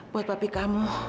buat papi kamu